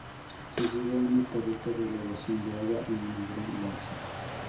Se llega a una torreta de elevación de agua y a una gran balsa.